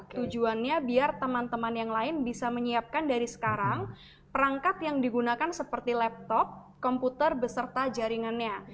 tujuannya biar teman teman yang lain bisa menyiapkan dari sekarang perangkat yang digunakan seperti laptop komputer beserta jaringannya